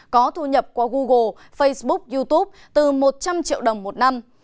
có thu nhập qua google facebook youtube từ một trăm linh triệu đồng một năm